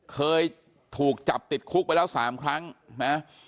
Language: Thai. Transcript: เคยถูกจับติดคุกไปแล้ว๓ครั้งนะ